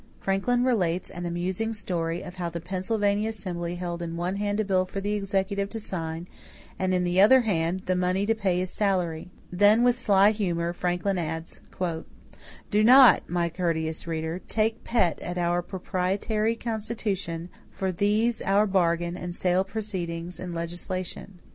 Franklin relates an amusing story of how the Pennsylvania assembly held in one hand a bill for the executive to sign and, in the other hand, the money to pay his salary. Then, with sly humor, Franklin adds: "Do not, my courteous reader, take pet at our proprietary constitution for these our bargain and sale proceedings in legislation.